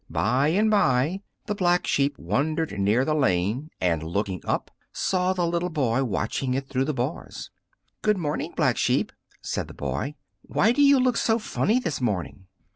By and by the Black Sheep wandered near the lane, and looking up, saw the little boy watching it through the bars. "Good morning, Black Sheep," said the boy; "why do you look so funny this morning?"